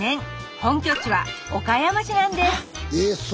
本拠地は岡山市なんです